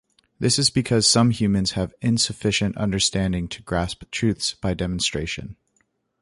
This is because some humans have insufficient understanding to grasp truths by demonstration.